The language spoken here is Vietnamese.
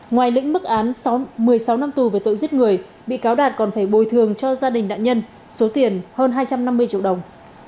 ngoài lĩnh mức án một mươi sáu năm tù về tội giết người bị cáo đạt còn phải bồi thường cho gia đình nạn nhân số tiền hơn hai trăm năm mươi triệu đồng